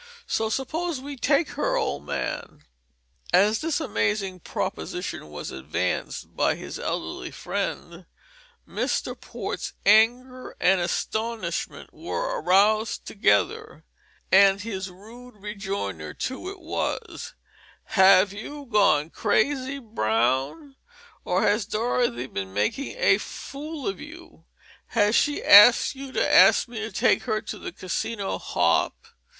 So suppose we take her, old man?" As this amazing proposition was advanced by his elderly friend, Mr. Port's anger and astonishment were aroused together; and his rude rejoinder to it was: "Have you gone crazy, Brown, or has Dorothy been making a fool of you? Has she asked you to ask me to take her to the Casino hop?